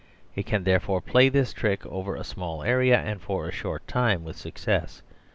It can, there fore, play this trick over a small area and for a short time with success.